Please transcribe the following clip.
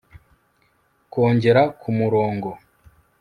ko ngera kumurongo